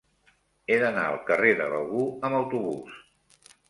He d'anar al carrer de Begur amb autobús.